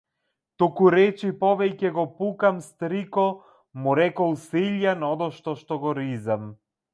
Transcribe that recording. Тукуречи повеќе го пукам, стрико, му рекол Силјан, одошто го ризам.